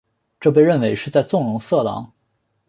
这被认为是在纵容色狼。